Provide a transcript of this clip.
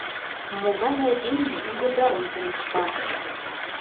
Могай айдеме у йыдалым тумышта?